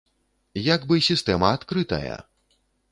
Як бы, сістэма адкрытая!